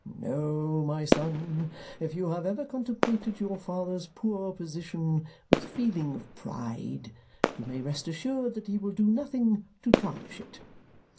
No, my son. If you have ever contemplated your father's poor position with a feeling of pride, you may rest assured that he will do nothing to tarnish it.